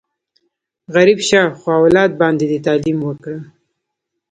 غریب شه، خو اولاد باندې دې تعلیم وکړه!